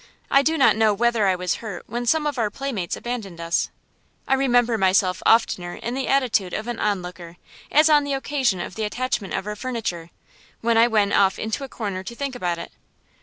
I do not know whether I was hurt when some of our playmates abandoned us. I remember myself oftener in the attitude of an onlooker, as on the occasion of the attachment of our furniture, when I went off into a corner to think about it.